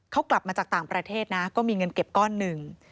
เขากลับมาจากต่างประเทศนะก็มีเงินเก็บก้อนหนึ่ง